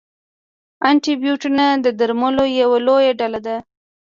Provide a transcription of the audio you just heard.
انټي بیوټیکونه د درملو یوه لویه ډله ده.